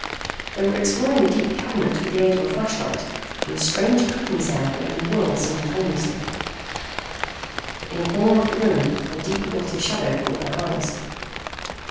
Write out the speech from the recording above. They were exploring a deep cabinet with the aid of a flashlight when a strange clicking sound made them whirl simultaneously. In a corner of the room a deeper blot of shadow caught their eyes.